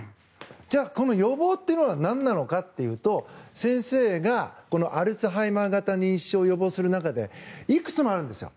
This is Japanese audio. じゃあ、この予防というのはなんなのかというと先生がアルツハイマー型認知症を予防する中でいくつもあるんですよ。